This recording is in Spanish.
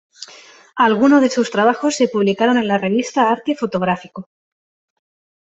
Algunos de sus trabajos se publicaron en la revista Arte Fotográfico.